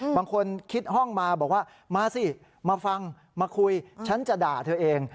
บางคนคิดห้องมาบอกว่ามาสิมาฟังมาคุยฉันจะด่าเธอเอง